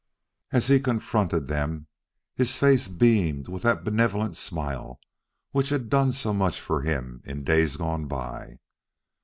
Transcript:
As he confronted them, his face beamed with that benevolent smile which had done so much for him in days gone by.